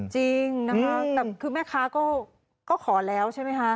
จริงนะคะแต่คือแม่ค้าก็ขอแล้วใช่ไหมคะ